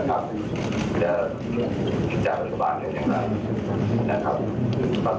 จะมีจากปฏิบาลเนื้ออย่างไรนะครับ